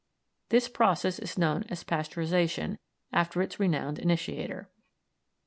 This process is known as Pasteurisation, after its renowned initiator.